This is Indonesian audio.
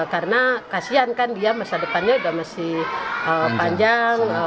karena kasian kan dia masa depannya sudah masih panjang